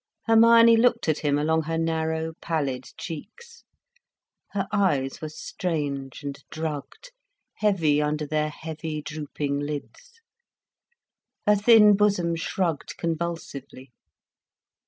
Hermione looked at him along her narrow, pallid cheeks. Her eyes were strange and drugged, heavy under their heavy, drooping lids. Her thin bosom shrugged convulsively.